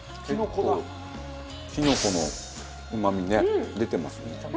キノコのうまみね出てますね。